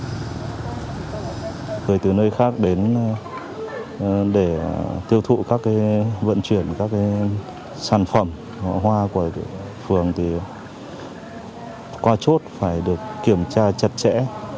người từ nơi khác đến để tiêu thụ các vận chuyển các sản phẩm hoa của phường thì qua chốt phải được kiểm tra chặt chẽ